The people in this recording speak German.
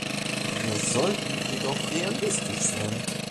Wir sollten jedoch realistisch sein.